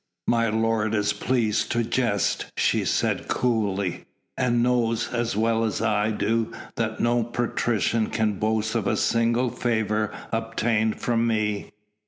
"My lord is pleased to jest," she said coolly, "and knows as well as I do that no patrician can boast of a single favour obtained from me."